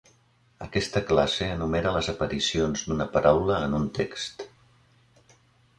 Aquesta classe enumera les aparicions d'una paraula en un text.